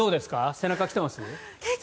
背中来てます？